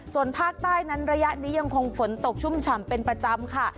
ส่วนภาคใต้นั้นระยะนี้ยังคงฝนตกชุ่มฉ่ำเป็นประจำค่ะ